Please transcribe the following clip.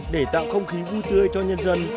để tạo không khí vui tươi cho nhân dân